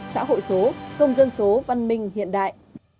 xã hội số công dân số văn minh hiện đại